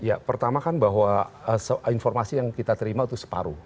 ya pertama kan bahwa informasi yang kita terima itu separuh